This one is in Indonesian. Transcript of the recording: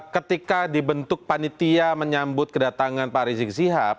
ketika dibentuk panitia menyambut kedatangan pak rizik sihab